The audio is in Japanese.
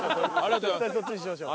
絶対そっちにしましょう。